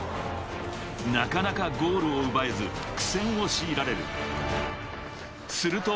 なかなかゴールを奪えず苦戦をしいられる。